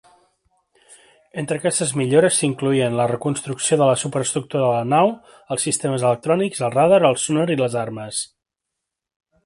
Entre aquestes millores s'incloïen la reconstrucció de la superestructura de la nau, els sistemes electrònics, el radar, el sonar i les armes.